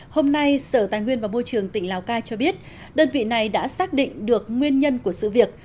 hôm nay sở tài nguyên và môi trường tỉnh lào cai cho biết đơn vị này đã xác định được nguyên nhân của sự việc